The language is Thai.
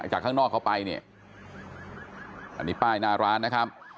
ข้างนอกเข้าไปเนี่ยอันนี้ป้ายหน้าร้านนะครับ